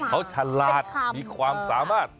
เขาฉลาดมีความสามารถ